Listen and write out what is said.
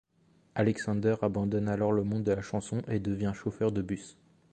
Alexander abandonne alors le monde de la chanson et devient chauffeur de bus.